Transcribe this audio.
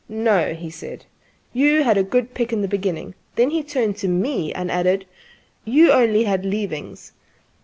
"No," he said, " you had a good pick in the beginning." Then he turned to me, and added: "You've only had leavings."